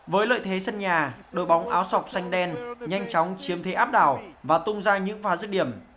với lợi thế sân nhà đội bóng áo sọc xanh đen nhanh chóng chiếm thế áp đảo và tung ra những pha giết điểm